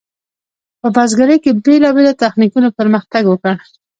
په بزګرۍ کې بیلابیلو تخنیکونو پرمختګ وکړ.